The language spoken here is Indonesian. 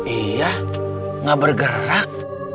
iya ga bergerak